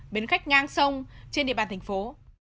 bến khách ngang sông trên địa bàn thành phố